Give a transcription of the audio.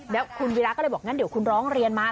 แล้วคุณวีระก็เลยบอกงั้นเดี๋ยวคุณร้องเรียนมา